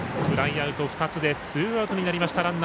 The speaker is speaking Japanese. フライアウト２つでツーアウトになりました。